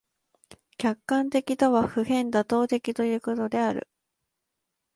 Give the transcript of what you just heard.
客観的とは普遍妥当的ということである。